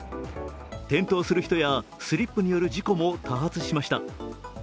転倒する人やスリップによる事故も多発しました。